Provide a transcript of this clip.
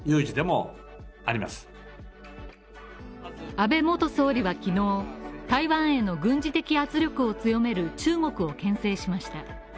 安倍元総理は昨日、台湾への軍事的圧力を強める中国を牽制しました。